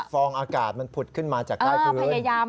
ฟองอากาศมันผุดขึ้นมาจากใกล้พยายาม